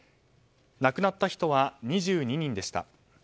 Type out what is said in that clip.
亡くなった人は２２人でした。